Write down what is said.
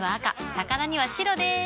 魚には白でーす。